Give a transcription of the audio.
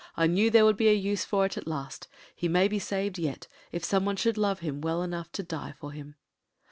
I knew there would be a use for it at last. He may be saved yet, if some one should love him well enough to die for him.